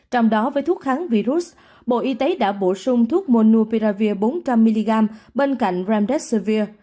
trong đó với thuốc kháng virus bộ y tế đã bổ sung thuốc monopiravir bốn trăm linh mg bên cạnh remdesivir